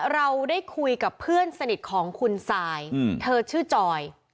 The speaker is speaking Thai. เราได้คุยกับเพื่อนสนิทของคุณซายเธอชื่อจอย